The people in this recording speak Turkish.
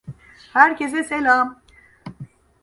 Herkese selam.